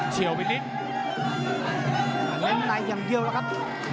เชี่ยวไปนิดยังเยื่อมไว้ครับ